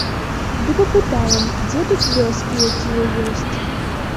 Ды папытаем, дзе тут вёскі якія ёсць.